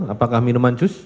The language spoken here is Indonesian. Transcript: apakah minuman jus